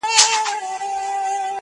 موږ پخپله یو له حل څخه بېزاره-